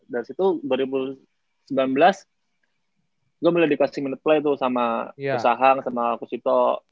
dari situ dua ribu sembilan belas gue mulai dikasih minute play tuh sama kusahang sama kusito